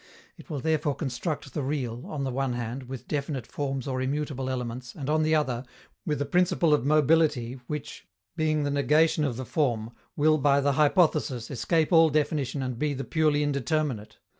It will therefore construct the real, on the one hand, with definite Forms or immutable elements, and, on the other, with a principle of mobility which, being the negation of the form, will, by the hypothesis, escape all definition and be the purely indeterminate.